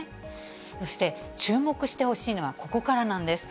そして注目してほしいのはここからなんです。